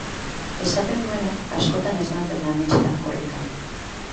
Esaten duenez, askotan esnatzen da ametsetan korrika.